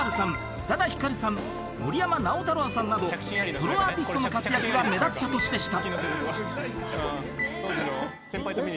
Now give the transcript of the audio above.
宇多田ヒカルさん森山直太朗さんなどソロアーティストの活躍が目立った年でした］